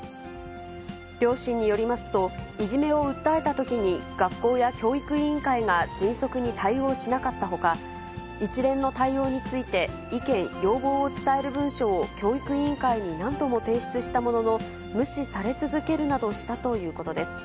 両親によりますと、いじめを訴えたときに学校や教育委員会が迅速に対応しなかったほか、一連の対応について、意見、要望を伝える文書を教育委員会に何度も提出したものの、無視され続けるなどしたということです。